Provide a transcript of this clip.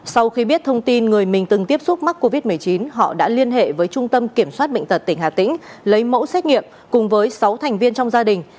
sau khi biết thông tin người mình từng tiếp xúc mắc covid một mươi chín họ đã liên hệ với trung tâm kiểm soát bệnh tật tỉnh hà tĩnh lấy mẫu xét nghiệm cùng với sáu thành viên trong gia đình